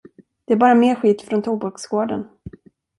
Det är bara mer skit från tobaksgården.